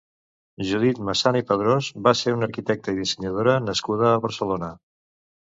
Judit Masana i Padrós va ser una arquitecta i dissenyadora nascuda a Barcelona.